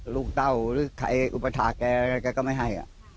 เต้าหรือใครอุปถาแกแกก็ไม่ให้